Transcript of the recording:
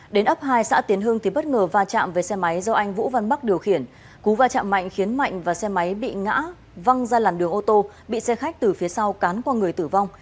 đến ấp hai xã tiến hưng thì bất ngờ va chạm về xe máy do anh vũ văn bắc điều khiển cú va chạm mạnh khiến mạnh và xe máy bị ngã văng ra làn đường ô tô bị xe khách từ phía sau cán qua người tử vong